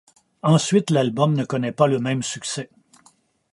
Ensuite, l'album ne connaît pas le même succès.